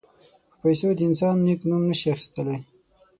په پیسو د انسان نېک نوم نه شي اخیستلای.